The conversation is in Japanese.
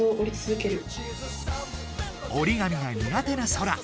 折り紙が苦手なソラ。